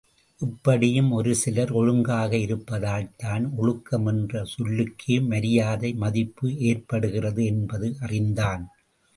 இப்படியும் ஒரு சிலர் ஒழுங்காக இருப்பதால்தான் ஒழுக்கம் என்ற சொல்லுக்கே மரியாதை மதிப்பு ஏற்படுகிறது என்பது அறிந்தான்.